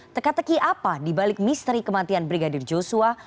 teka teki apa dibalik misteri kematian brigadir joshua